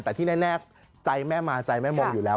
แต่ที่แน่ใจแม่มาใจแม่มงอยู่แล้ว